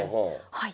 はい。